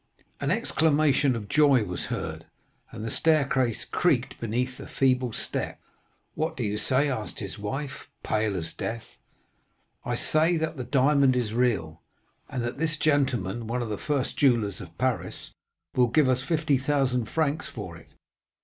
"An exclamation of joy was heard, and the staircase creaked beneath a feeble step. 'What do you say?' asked his wife, pale as death. "'I say that the diamond is real, and that this gentleman, one of the first jewellers of Paris, will give us 50,000 francs for it.